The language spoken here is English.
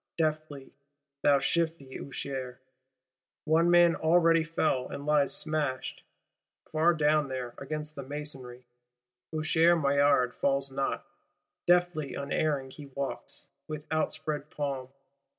Deftly, thou shifty Usher: one man already fell; and lies smashed, far down there, against the masonry! Usher Maillard falls not: deftly, unerring he walks, with outspread palm.